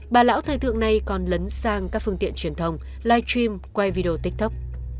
bà lão thời thượng này còn lấn sang các phương tiện truyền thông live stream quay video tiktok